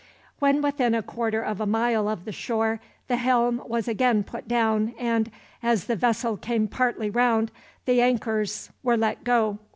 When within a quarter of a mile of the shore, the helm was again put down and, as the vessel came partly round, the the anchors were let go.